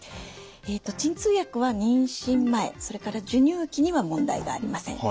鎮痛薬は妊娠前それから授乳期には問題がありません。